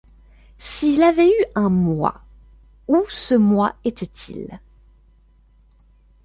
S’il avait eu un moi, où ce moi était-il?